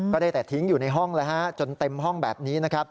ก็ได้แต่ทิ้งอยู่ในห้องเลยจนเต็มห้องแบบนี้